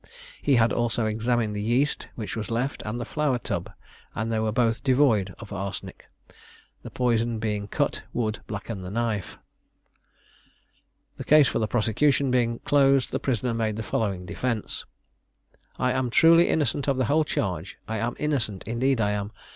He had also examined the yeast which was left and the flour tub, and they were both devoid of arsenic. The poison being cut would blacken the knife. The case for the prosecution being closed, the prisoner made the following defence: "I am truly innocent of the whole charge; I am innocent; indeed I am.